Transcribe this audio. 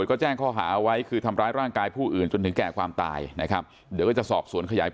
อย่างไรก็ตามครับ